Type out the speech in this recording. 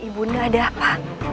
ibu nda ada apa